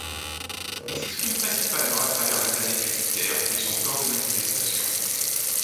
Il s'exprime principalement à travers la planète Jupiter qui est son corps de manifestation.